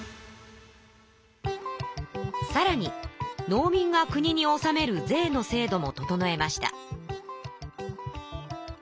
さらに農民が国に納める税の制度も整えました。